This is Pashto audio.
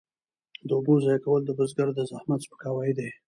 د اوبو ضایع کول د بزګر د زحمت سپکاوی دی.